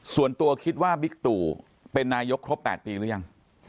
ส่วนตัวคิดว่าบิ๊กตู่เป็นนายกครบ๘ปีหรือยัง